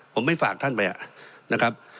ผมไม่ฝากท่านไปนะครับ